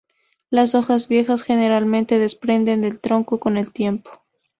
Las hojas viejas generalmente desprenden del tronco con el tiempo.